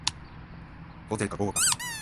午前か午後か